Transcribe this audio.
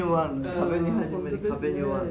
壁に始まり壁に終わる。